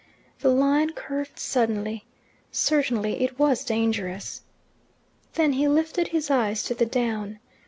The line curved suddenly: certainly it was dangerous. Then he lifted his eyes to the down.